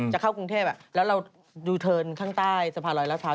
จะเข้ากรุงเทพแล้วเรายูเทิร์นข้างใต้สะพานลอยรัดพร้า